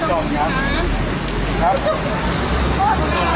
ขอบคุณครับขอบคุณครับ